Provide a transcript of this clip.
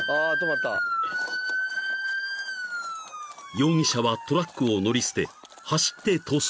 ［容疑者はトラックを乗り捨て走って逃走］